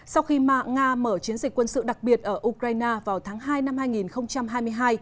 sau khi nga mở chiến dịch quân sự đặc biệt ở ukraine vào tháng hai năm hai nghìn hai mươi hai